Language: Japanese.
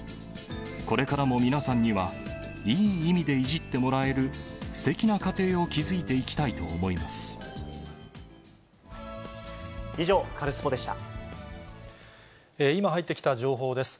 これからも皆さんには、いい意味でいじってもらえる、すてきな家庭を築いていきたいと思います。